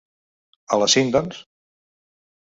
A les cinc doncs?